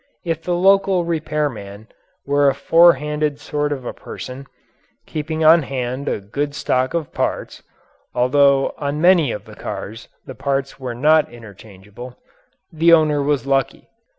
If the local repair man were a forehanded sort of a person, keeping on hand a good stock of parts (although on many of the cars the parts were not interchangeable), the owner was lucky.